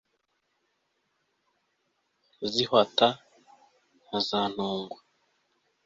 Barazihwata nka za ntungwa